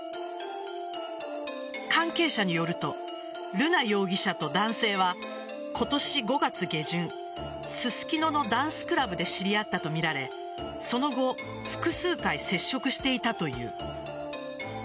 関係者によると瑠奈容疑者と男性は今年５月下旬ススキノのダンスクラブで知り合ったとみられその後複数回接触していたという。